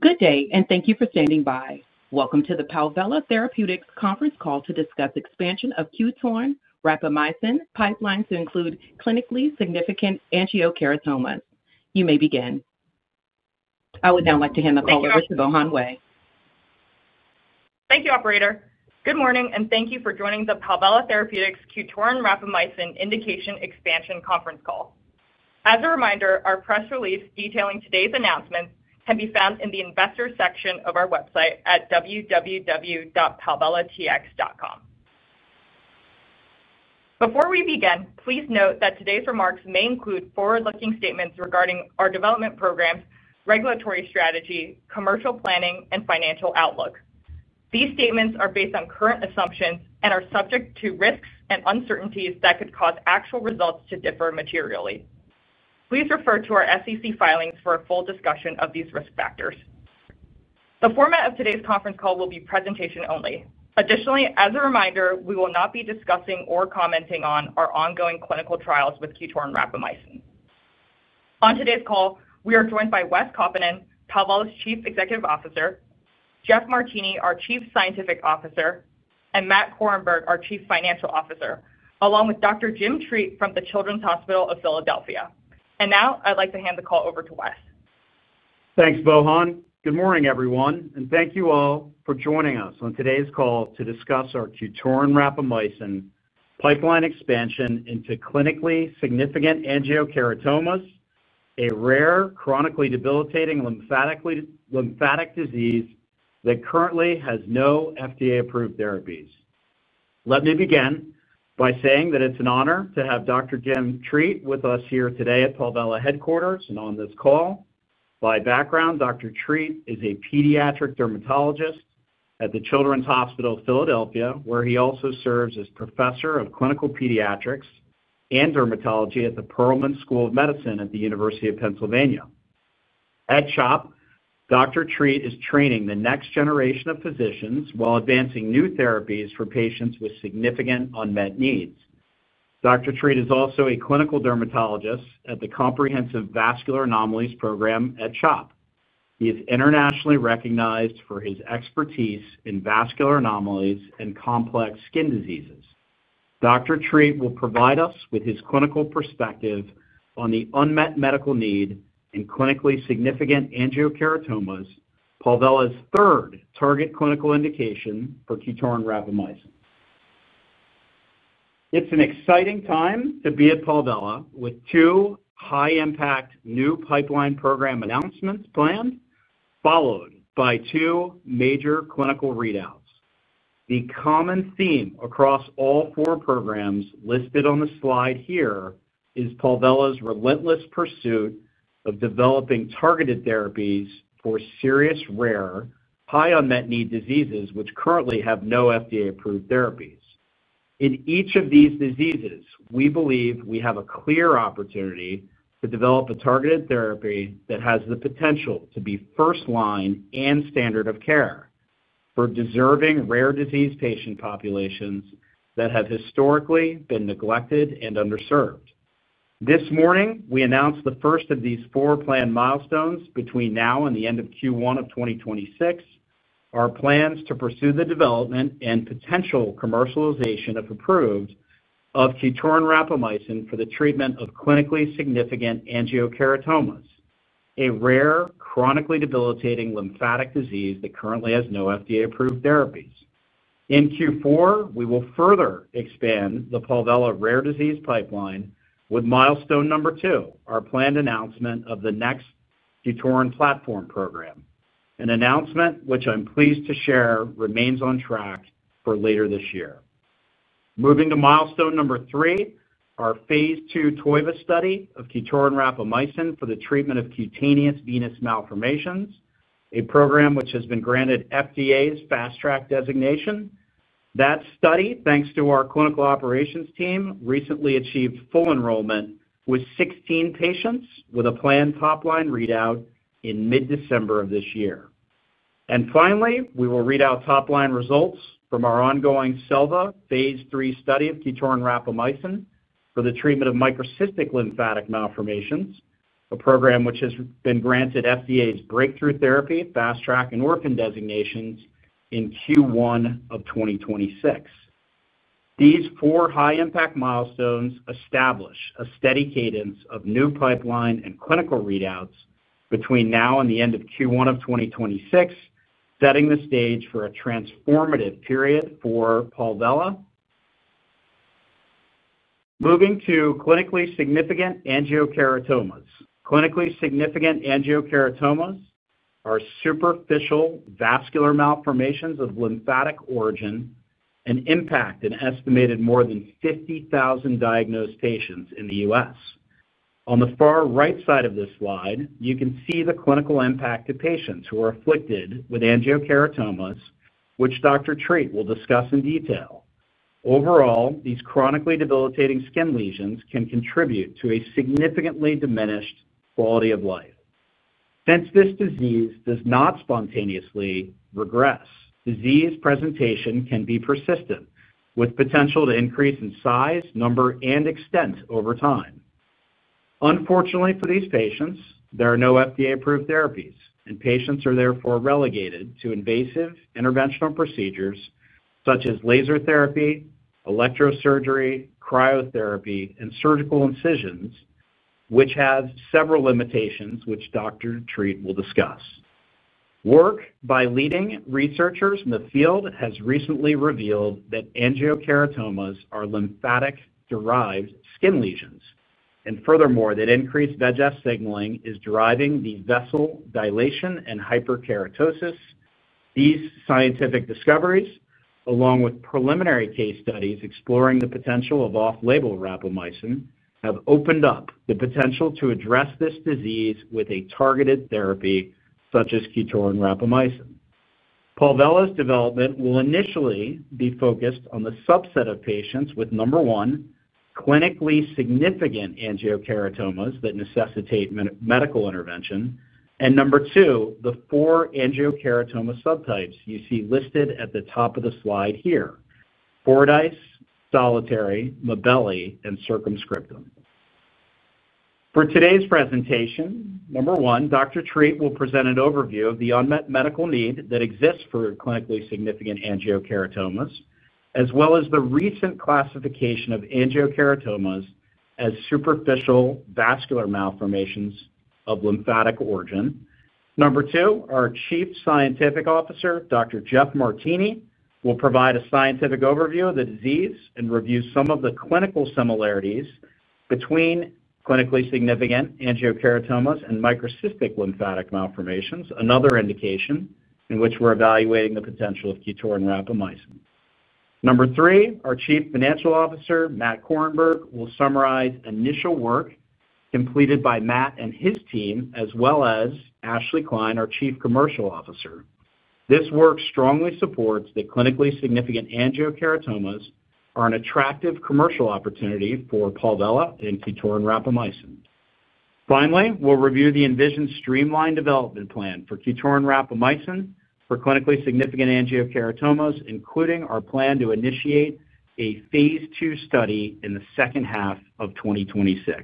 Good day, and thank you for standing by. Welcome to the Palvella Therapeutics conference call to discuss expansion of QTORIN™ rapamycin 3.9% anhydrous gel pipeline to include clinically significant angiokeratomas. You may begin. I would now like to hand the call over to Bohan Wei. Thank you, operator. Good morning, and thank you for joining the Palvella Therapeutics QTORIN™ rapamycin indication expansion conference call. As a reminder, our press release detailing today's announcements can be found in the investors' section of our website at www.palvellatx.com. Before we begin, please note that today's remarks may include forward-looking statements regarding our development programs, regulatory strategy, commercial planning, and financial outlook. These statements are based on current assumptions and are subject to risks and uncertainties that could cause actual results to differ materially. Please refer to our SEC filings for a full discussion of these risk factors. The format of today's conference call will be presentation only. Additionally, as a reminder, we will not be discussing or commenting on our ongoing clinical trials with QTORIN™ rapamycin. On today's call, we are joined by Wes Kaupinen, Palvella's Chief Executive Officer, Dr. Jeff Martini, our Chief Scientific Officer, and Matt Korenberg, our Chief Financial Officer, along with Dr. Jim Treat from the Children's Hospital of Philadelphia. I'd like to hand the call over to Wes. Thanks, Bohan. Good morning, everyone, and thank you all for joining us on today's call to discuss our QTORIN™ rapamycin 3.9% anhydrous gel pipeline expansion into clinically significant angiokeratomas, a rare, chronically debilitating lymphatic disease that currently has no FDA-approved therapies. Let me begin by saying that it's an honor to have Dr. Jim Treat with us here today at Palvella Therapeutics headquarters and on this call. By background, Dr. Treat is a Pediatric Dermatologist at the Children's Hospital of Philadelphia, where he also serves as Professor of Clinical Pediatrics and Dermatology at the Perelman School of Medicine, University of Pennsylvania. At Children's Hospital of Philadelphia, Dr. Treat is training the next generation of physicians while advancing new therapies for patients with significant unmet needs. Dr. Treat is also a Clinical Dermatologist at the Comprehensive Vascular Anomalies Program at Children's Hospital of Philadelphia. He is internationally recognized for his expertise in vascular anomalies and complex skin diseases. Dr. Treat will provide us with his clinical perspective on the unmet medical need in clinically significant angiokeratomas, Palvella Therapeutics' third target clinical indication for QTORIN™ rapamycin 3.9% anhydrous gel. It's an exciting time to be at Palvella Therapeutics with two high-impact new pipeline program announcements planned, followed by two major clinical readouts. The common theme across all four programs listed on the slide here is Palvella Therapeutics' relentless pursuit of developing targeted therapies for serious, rare, high-unmet-need diseases which currently have no FDA-approved therapies. In each of these diseases, we believe we have a clear opportunity to develop a targeted therapy that has the potential to be first-line and standard-of-care therapy for deserving rare disease patient populations that have historically been neglected and underserved. This morning, we announced the first of these four planned milestones between now and the end of Q1 2026, our plans to pursue the development and potential commercialization, if approved, of QTORIN™ rapamycin 3.9% anhydrous gel for the treatment of clinically significant angiokeratomas, a rare, chronically debilitating lymphatic disease that currently has no FDA-approved therapies. In Q4, we will further expand the Palvella Therapeutics rare disease pipeline with milestone number two, our planned announcement of the next QTORIN™ platform program, an announcement which I'm pleased to share remains on track for later this year. Moving to milestone number three, our Phase 2 TOIVA study of QTORIN™ rapamycin 3.9% anhydrous gel for the treatment of cutaneous venous malformations, a program which has been granted FDA's FastTrack designation. That study, thanks to our clinical operations team, recently achieved full enrollment with 16 patients with a planned top-line readout in mid-December of this year. Finally, we will read out top-line results from our ongoing SELVA Phase 3 study of QTORIN™ rapamycin 3.9% anhydrous gel for the treatment of microcystic lymphatic malformations, a program which has been granted FDA's breakthrough therapy, FastTrack, and orphan designations in Q1 of 2026. These four high-impact milestones establish a steady cadence of new pipeline and clinical readouts between now and the end of Q1 of 2026, setting the stage for a transformative period for Palvella Therapeutics. Moving to clinically significant angiokeratomas, clinically significant angiokeratomas are superficial vascular malformations of lymphatic origin and impact an estimated more than 50,000 diagnosed patients in the United States. On the far right side of this slide, you can see the clinical impact to patients who are afflicted with angiokeratomas, which Dr. Jim Treat will discuss in detail. Overall, these chronically debilitating skin lesions can contribute to a significantly diminished quality of life. Since this disease does not spontaneously regress, disease presentation can be persistent, with potential to increase in size, number, and extent over time. Unfortunately for these patients, there are no FDA-approved therapies, and patients are therefore relegated to invasive interventional procedures such as laser therapy, electrosurgery, cryotherapy, and surgical incisions, which have several limitations which Dr. Jim Treat will discuss. Work by leading researchers in the field has recently revealed that angiokeratomas are lymphatic-derived skin lesions, and furthermore, that increased VEGF signaling is driving the vessel dilation and hyperkeratosis. These scientific discoveries, along with preliminary case studies exploring the potential of off-label rapamycin, have opened up the potential to address this disease with a targeted therapy such as QTORIN™ rapamycin 3.9% anhydrous gel. Palvella's development will initially be focused on the subset of patients with, number one, clinically significant angiokeratomas that necessitate medical intervention, and number two, the four angiokeratoma subtypes you see listed at the top of the slide here: fordyce, solitary, mobile, and circumscriptum. For today's presentation, number one, Dr. Treat will present an overview of the unmet medical need that exists for clinically significant angiokeratomas as well as the recent classification of angiokeratomas as superficial vascular malformations of lymphatic origin. Number two, our Chief Scientific Officer, Dr. Jeff Martini, will provide a scientific overview of the disease and review some of the clinical similarities between clinically significant angiokeratomas and microcystic lymphatic malformations, another indication in which we're evaluating the potential of QTORIN™ rapamycin 3.9% anhydrous gel. Number three, our Chief Financial Officer, Matt Korenberg, will summarize initial work completed by Matt and his team as well as Ashley Klein, our Chief Commercial Officer. This work strongly supports that clinically significant angiokeratomas are an attractive commercial opportunity for Palvella and QTORIN™ rapamycin 3.9% anhydrous gel. Finally, we'll review the envisioned streamlined development plan for QTORIN™ rapamycin 3.9% anhydrous gel for clinically significant angiokeratomas, including our plan to initiate a Phase 2 study in the second half of 2026.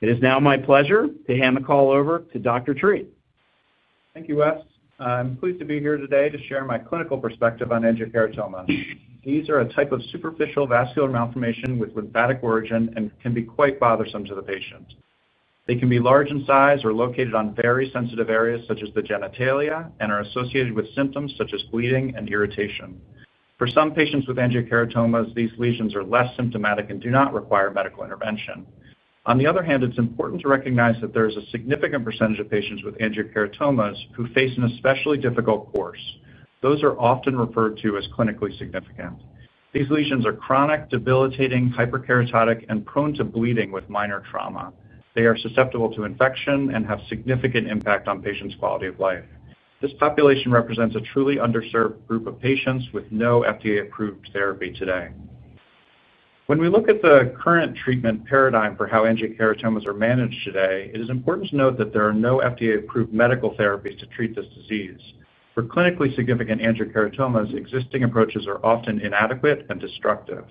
It is now my pleasure to hand the call over to Dr. Treat. Thank you, Wes. I'm pleased to be here today to share my clinical perspective on angiokeratomas. These are a type of superficial vascular malformation with lymphatic origin and can be quite bothersome to the patient. They can be large in size or located on very sensitive areas such as the genitalia and are associated with symptoms such as bleeding and irritation. For some patients with angiokeratomas, these lesions are less symptomatic and do not require medical intervention. On the other hand, it's important to recognize that there is a significant percentage of patients with angiokeratomas who face an especially difficult course. Those are often referred to as clinically significant. These lesions are chronic, debilitating, hyperkeratotic, and prone to bleeding with minor trauma. They are susceptible to infection and have a significant impact on patients' quality of life. This population represents a truly underserved group of patients with no FDA-approved therapy today. When we look at the current treatment paradigm for how angiokeratomas are managed today, it is important to note that there are no FDA-approved medical therapies to treat this disease. For clinically significant angiokeratomas, existing approaches are often inadequate and destructive.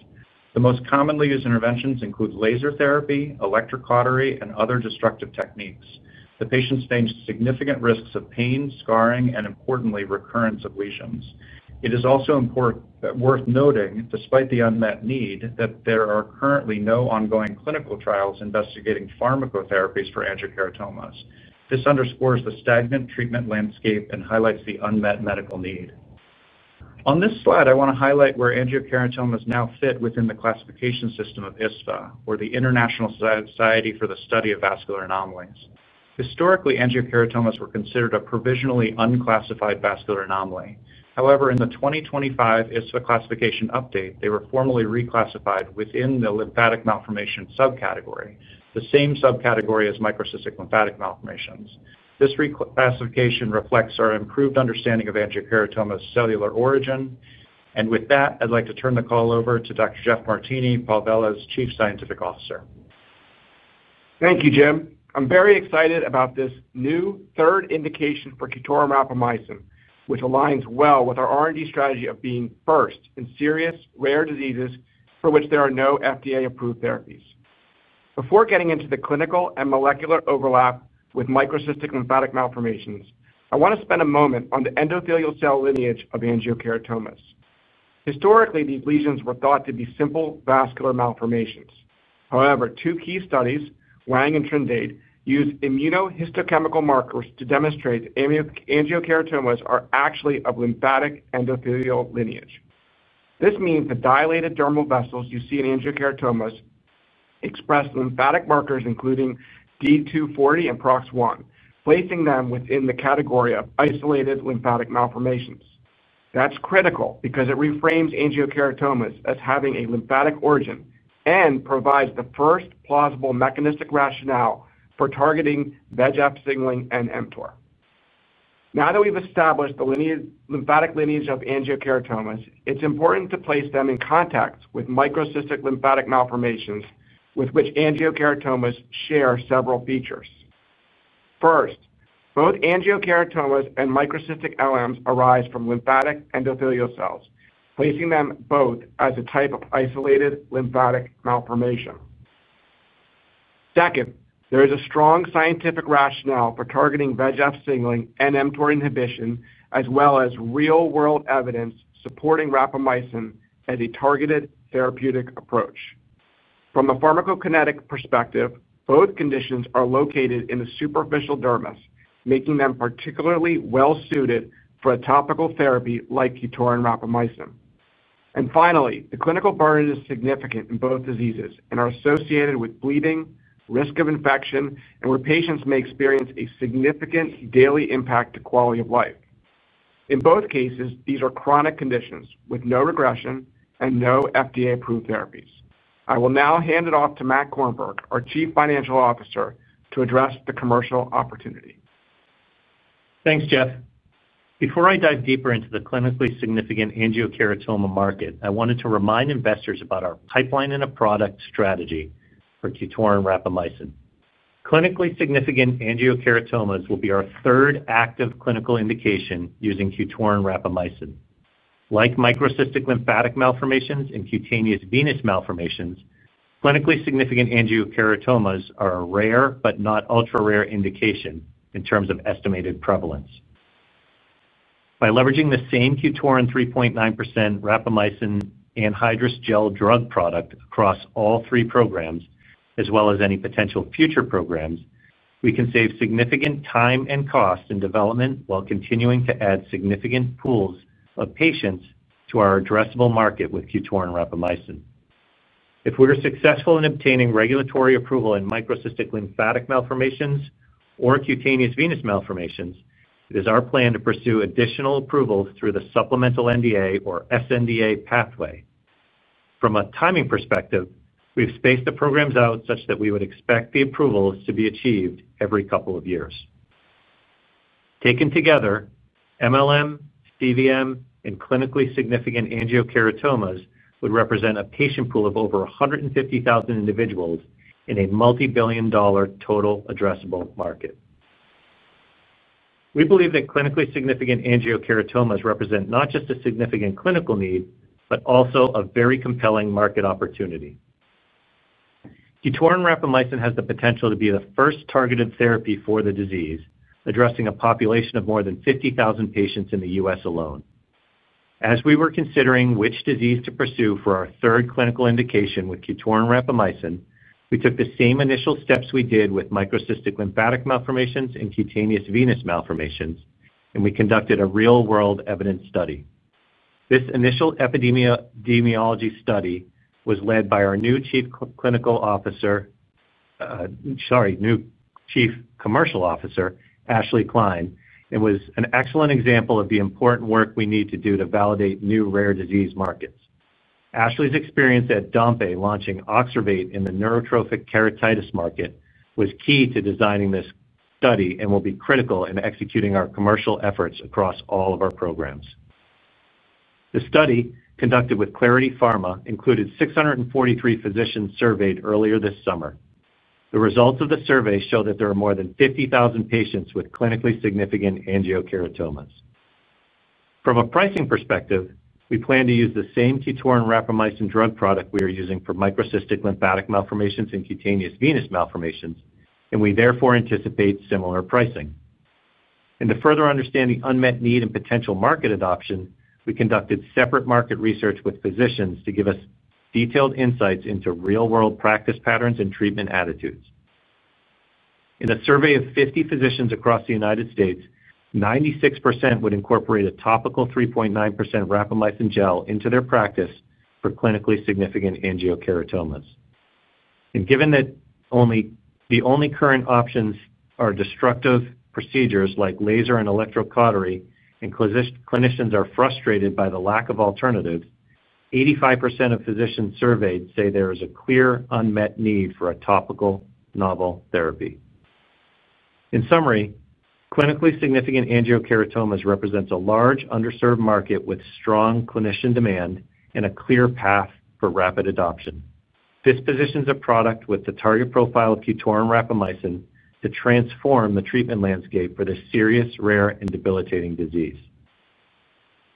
The most commonly used interventions include laser therapy, electrocautery, and other destructive techniques. The patients face significant risks of pain, scarring, and importantly, recurrence of lesions. It is also important and worth noting, despite the unmet need, that there are currently no ongoing clinical trials investigating pharmacotherapies for angiokeratomas. This underscores the stagnant treatment landscape and highlights the unmet medical need. On this slide, I want to highlight where angiokeratomas now fit within the classification system of ISSVA or the International Society for the Study of Vascular Anomalies. Historically, angiokeratomas were considered a provisionally unclassified vascular anomaly. However, in the 2025 ISSVA classification update, they were formally reclassified within the lymphatic malformation subcategory, the same subcategory as microcystic lymphatic malformations. This reclassification reflects our improved understanding of angiokeratoma cellular origin. With that, I'd like to turn the call over to Dr. Jeff Martini, Palvella Therapeutics' Chief Scientific Officer. Thank you, Jim. I'm very excited about this new third indication for QTORIN™ rapamycin 3.9% anhydrous gel, which aligns well with our R&D strategy of being first in serious, rare diseases for which there are no FDA-approved therapies. Before getting into the clinical and molecular overlap with microcystic lymphatic malformations, I want to spend a moment on the endothelial cell lineage of angiokeratomas. Historically, these lesions were thought to be simple vascular malformations. However, two key studies, Wang and Trindade, use immunohistochemical markers to demonstrate angiokeratomas are actually of lymphatic endothelial lineage. This means the dilated dermal vessels you see in angiokeratomas express lymphatic markers including D240 and Prox1, placing them within the category of isolated lymphatic malformations. That's critical because it reframes angiokeratomas as having a lymphatic origin and provides the first plausible mechanistic rationale for targeting VEGF signaling and mTOR. Now that we've established the lymphatic lineage of angiokeratomas, it's important to place them in context with microcystic lymphatic malformations with which angiokeratomas share several features. First, both angiokeratomas and microcystic LMs arise from lymphatic endothelial cells, placing them both as a type of isolated lymphatic malformation. Second, there is a strong scientific rationale for targeting VEGF signaling and mTOR inhibition, as well as real-world evidence supporting rapamycin as a targeted therapeutic approach. From a pharmacokinetic perspective, both conditions are located in the superficial dermis, making them particularly well-suited for a topical therapy like QTORIN™ rapamycin 3.9% anhydrous gel. The clinical burden is significant in both diseases and are associated with bleeding, risk of infection, and where patients may experience a significant daily impact to quality of life. In both cases, these are chronic conditions with no regression and no FDA-approved therapies. I will now hand it off to Matt Korenberg, our Chief Financial Officer, to address the commercial opportunity. Thanks, Jeff. Before I dive deeper into the clinically significant angiokeratoma market, I wanted to remind investors about our pipeline and a product strategy for QTORIN™ rapamycin. Clinically significant angiokeratomas will be our third active clinical indication using QTORIN™ rapamycin. Like microcystic lymphatic malformations and cutaneous venous malformations, clinically significant angiokeratomas are a rare but not ultra-rare indication in terms of estimated prevalence. By leveraging the same QTORIN™ rapamycin 3.9% anhydrous gel drug product across all three programs, as well as any potential future programs, we can save significant time and cost in development while continuing to add significant pools of patients to our addressable market with QTORIN™ rapamycin. If we are successful in obtaining regulatory approval in microcystic lymphatic malformations or cutaneous venous malformations, it is our plan to pursue additional approvals through the supplemental NDA or SNDA pathway. From a timing perspective, we've spaced the programs out such that we would expect the approvals to be achieved every couple of years. Taken together, MLM, CVM, and clinically significant angiokeratomas would represent a patient pool of over 150,000 individuals in a multibillion-dollar total addressable market. We believe that clinically significant angiokeratomas represent not just a significant clinical need, but also a very compelling market opportunity. QTORIN™ rapamycin has the potential to be the first targeted therapy for the disease, addressing a population of more than 50,000 patients in the U.S. alone. As we were considering which disease to pursue for our third clinical indication with QTORIN™ rapamycin, we took the same initial steps we did with microcystic lymphatic malformations and cutaneous venous malformations, and we conducted a real-world evidence study. This initial epidemiology study was led by our new Chief Commercial Officer, Ashley Klein, and was an excellent example of the important work we need to do to validate new rare disease markets. Ashley's experience at Dompé launching Oxervate in the neurotrophic keratitis market was key to designing this study and will be critical in executing our commercial efforts across all of our programs. The study conducted with Clarity Pharma included 643 physicians surveyed earlier this summer. The results of the survey show that there are more than 50,000 patients with clinically significant angiokeratomas. From a pricing perspective, we plan to use the same QTORIN™ rapamycin drug product we are using for microcystic lymphatic malformations and cutaneous venous malformations, and we therefore anticipate similar pricing. To further understand the unmet need and potential market adoption, we conducted separate market research with physicians to give us detailed insights into real-world practice patterns and treatment attitudes. In a survey of 50 physicians across the United States, 96% would incorporate a topical 3.9% rapamycin gel into their practice for clinically significant angiokeratomas. Given that the only current options are destructive procedures like laser and electrocautery, and clinicians are frustrated by the lack of alternatives, 85% of physicians surveyed say there is a clear unmet need for a topical novel therapy. In summary, clinically significant angiokeratomas represent a large underserved market with strong clinician demand and a clear path for rapid adoption. This positions a product with the target profile of QTORIN™ rapamycin to transform the treatment landscape for this serious, rare, and debilitating disease.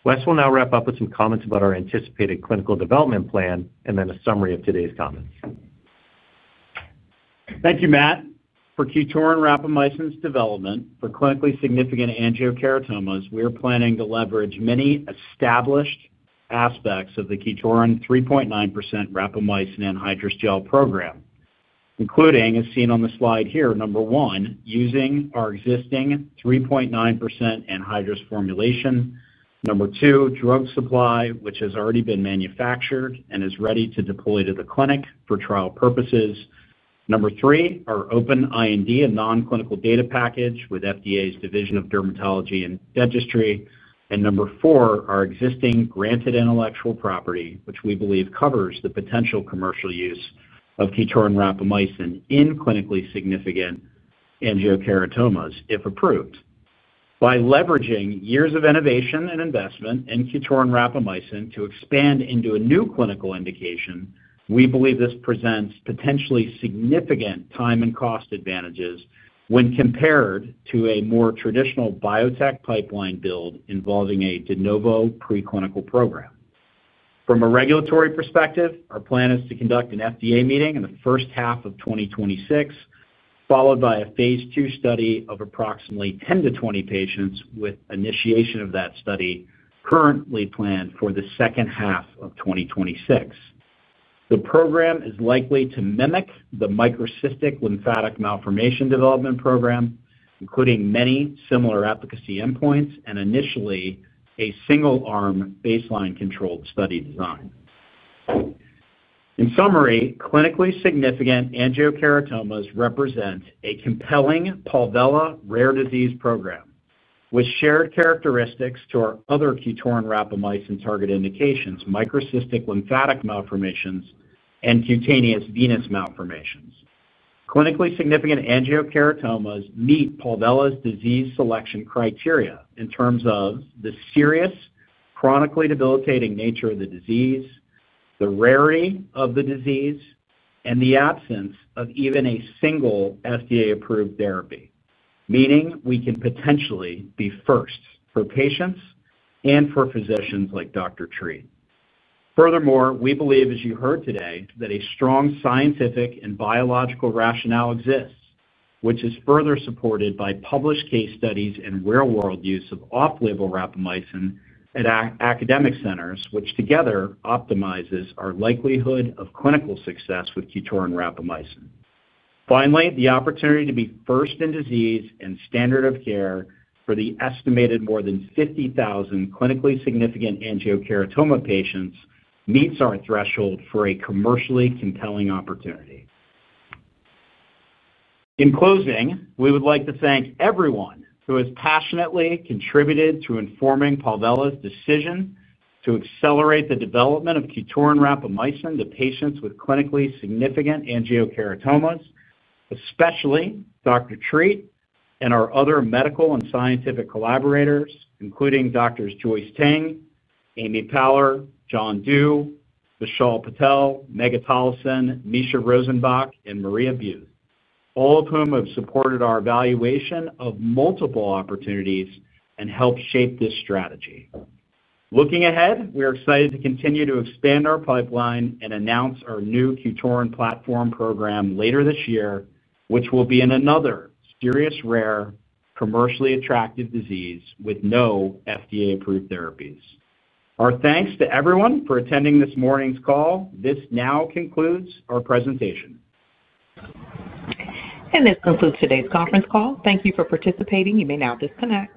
Wes will now wrap up with some comments about our anticipated clinical development plan and then a summary of today's comments. Thank you, Matt, for QTORIN™ rapamycin's development for clinically significant angiokeratomas. We are planning to leverage many established aspects of the QTORIN™ 3.9% rapamycin anhydrous gel program, including, as seen on the slide here, number one, using our existing 3.9% anhydrous formulation, number two, drug supply, which has already been manufactured and is ready to deploy to the clinic for trial purposes, number three, our open IND and non-clinical data package with FDA's Division of Dermatology and Dentistry, and number four, our existing granted intellectual property, which we believe covers the potential commercial use of QTORIN™ rapamycin in clinically significant angiokeratomas, if approved. By leveraging years of innovation and investment in QTORIN™ rapamycin to expand into a new clinical indication, we believe this presents potentially significant time and cost advantages when compared to a more traditional biotech pipeline build involving a de novo preclinical program. From a regulatory perspective, our plan is to conduct an FDA meeting in the first half of 2026, followed by a Phase 2 study of approximately 10 to 20 patients with initiation of that study currently planned for the second half of 2026. The program is likely to mimic the microcystic lymphatic malformation development program, including many similar efficacy endpoints and initially a single-arm baseline controlled study design. In summary, clinically significant angiokeratomas represent a compelling Palvella rare disease program with shared characteristics to our other QTORIN™ rapamycin target indications, microcystic lymphatic malformations, and cutaneous venous malformations. Clinically significant angiokeratomas meet Palvella's disease selection criteria in terms of the serious, chronically debilitating nature of the disease, the rarity of the disease, and the absence of even a single FDA-approved therapy, meaning we can potentially be first for patients and for physicians like Dr. Jim Treat. Furthermore, we believe, as you heard today, that a strong scientific and biological rationale exists, which is further supported by published case studies and real-world use of off-label rapamycin at academic centers, which together optimizes our likelihood of clinical success with QTORIN™ rapamycin. Finally, the opportunity to be first in disease and standard of care for the estimated more than 50,000 clinically significant angiokeratoma patients meets our threshold for a commercially compelling opportunity. In closing, we would like to thank everyone who has passionately contributed to informing Palvella's decision to accelerate the development of QTORIN™ rapamycin to patients with clinically significant angiokeratomas, especially Dr. Jim Treat and our other medical and scientific collaborators, including Doctors Joyce Teng, Amy Paller, John Du, Vishal Patel, Megha Tollison, Misha Rosenbach, and Maria Beuth, all of whom have supported our evaluation of multiple opportunities and helped shape this strategy. Looking ahead, we are excited to continue to expand our pipeline and announce our new QTORIN™ platform program later this year, which will be in another serious, rare, commercially attractive disease with no FDA-approved therapies. Our thanks to everyone for attending this morning's call. This now concludes our presentation. This concludes today's conference call. Thank you for participating. You may now disconnect.